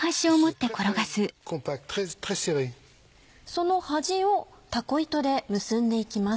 その端をタコ糸で結んで行きます。